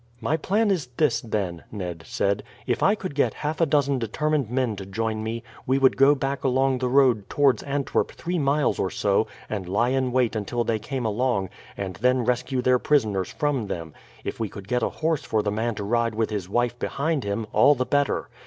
"My plan is this, then," Ned said. "If I could get half a dozen determined men to join me, we would go back along the road towards Antwerp three miles or so, and lie in wait until they came along, and then rescue their prisoners from them. If we could get a horse for the man to ride with his wife behind him, all the better.